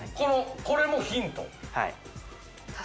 これもヒント？